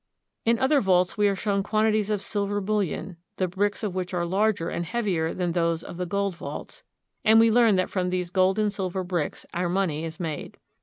In other vaults we are shown quantities of silver bullion, the bricks of which are larger and heavier than those of the gold vaults, and we learn that from these gold and silver bricks our money is made.